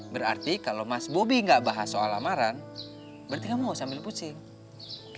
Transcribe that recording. berarti kalau mas bobby enggak bahas soal lamaran berarti kamu mau sambil pusing oke